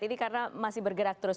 ini karena masih bergerak terus